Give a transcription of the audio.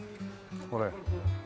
これ。